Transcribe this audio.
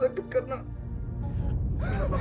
intan gak apa apa